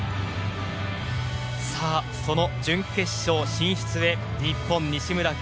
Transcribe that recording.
その準決勝進出で日本、西村拳